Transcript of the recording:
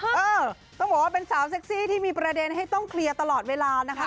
เออต้องบอกว่าเป็นสาวเซ็กซี่ที่มีประเด็นให้ต้องเคลียร์ตลอดเวลานะคะ